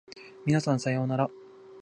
皆さんさようなら